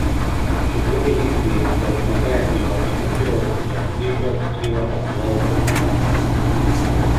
Shughuli hizi za ufugaji wa vipepeo zimeanzishwa zikiwa na viwango mbalimbali